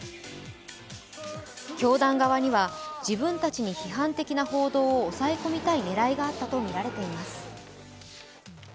教団側には自分たちに批判的な報道を押さえ込みたい狙いがあったとみられています。